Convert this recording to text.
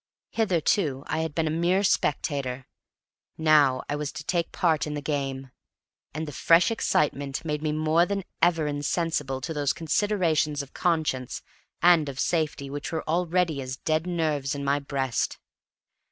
Hitherto I had been a mere spectator. Now I was to take part in the game. And the fresh excitement made me more than ever insensible to those considerations of conscience and of safety which were already as dead nerves in my breast.